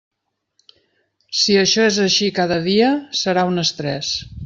Si això és així cada dia, serà un estrès.